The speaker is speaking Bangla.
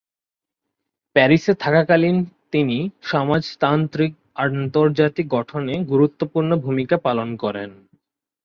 প্যারিসে থাকাকালীন তিনি সমাজতান্ত্রিক আন্তর্জাতিক গঠনে গুরুত্বপূর্ণ ভূমিকা পালন করেন।